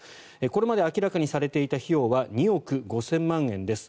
これまで明らかにされていた費用は２億５０００万円です。